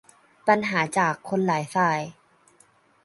ปัญหาจากคนหลายฝ่าย